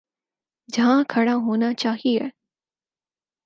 جہاں کھڑا ہونا چاہیے۔